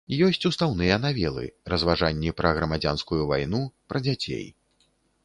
Ёсць устаўныя навелы, разважанні пра грамадзянскую вайну, пра дзяцей.